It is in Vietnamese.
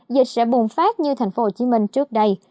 dịch sẽ bùng phát như tp hcm trước đây